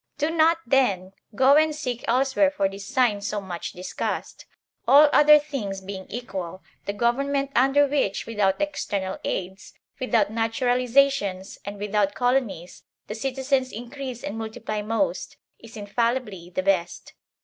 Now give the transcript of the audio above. Do not, then, go and seek elsewhere for this sign so much discussed. All other things being equal, the government under which, without external aids, without naturalizations, and without colonies, the citizens increase and multiply most, is infallibly the best.